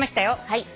はい。